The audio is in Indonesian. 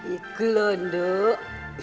itu loh nduk